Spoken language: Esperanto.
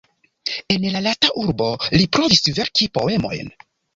En la lasta urbo li provis verki poemojn.